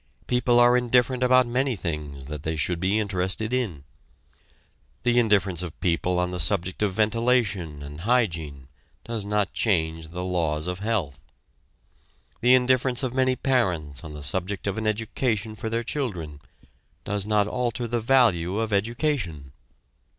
People are indifferent about many things that they should be interested in. The indifference of people on the subject of ventilation and hygiene does not change the laws of health. The indifference of many parents on the subject of an education for their children does not alter the value of education.